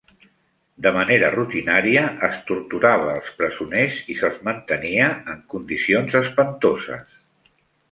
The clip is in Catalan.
De manera rutinària, es torturava els presoners i se'ls mantenia en condicions espantoses.